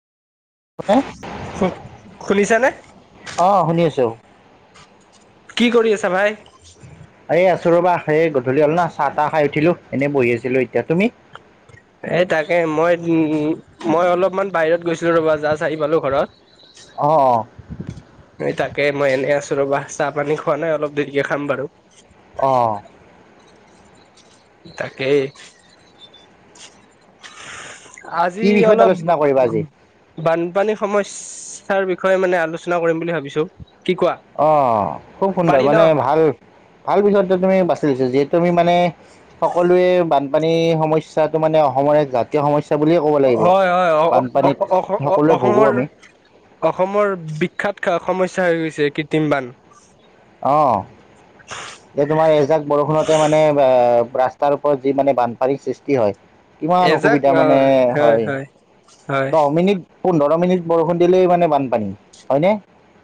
খ খুলিছে নে? অ শুনি আছো কি কৰি আছা ভাই? এই আছো ৰবা, সেই গধূলি হ'ল না, চাহ-তাহ খাই উঠিলো। এনেই বহি আছিলো এতিয়া তুমি? এ' তাকে মই উম' মই অলপমান বাহিৰত গৈছিলো ৰবা। জাজ আহি পালো ঘৰত। অ', অ'। এই তাকে মই এনেই আছো ৰব। চাহ-পানী খোৱা নাই। অলপ দেৰিকে খাম বাৰু। অ'' তাকেই। আজি কি বিষয়ত অলপ আলোচনা কৰিবা আজি বানপানী সমস্যাৰ বিষয়ে মানে আলোচনা কৰিম বুলি ভাবিছো। কি কোৱা অ', খুব সুন্দৰ পাৰি ন মানে ভাল-ভাল পিছত যে তুমি বা যিহেতু আমি মানে সকলোৱে বানপানী সমস্যাটো মানে অসমৰ এক জাতীয় সমস্যা বুলিয়ে ক'ব লাগিব হয়-হয়, অ- বানপানীত সকলোৱে ভোগোঁ অসম-অসমৰ আমি অসমৰ বিখ্যাত সমস্যা হৈ গৈছে কৃত্ৰিম বান। অ', এই তোমাৰ এইজাক বৰষুণতে মানে ৰা তাৰ ওপৰত যি মানে বানপানীৰ সৃষ্টি হয় ইমান অসুবিধা মানে হয়, হয় দহ মিনিট পোন্ধৰ মিনিট বৰষুণ দিলেই মানে বানপানী, হয়নে?